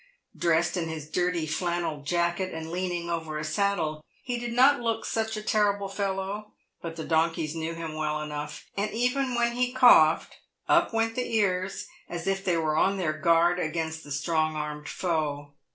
Dressed in his dirty flannel jacket and leaning over a saddle, he did not look such a terrible fellow ; but the donkeys knew him well enough, and even when he coughed up went the ears, as if they were on their guard against the strong armed foe.